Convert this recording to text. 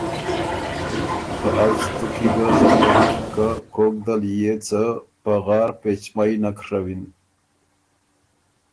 خه از تُو کی ګه خپه هوم که کوک دل يې څۀ پغار پېچمئ نک ڒوِن۔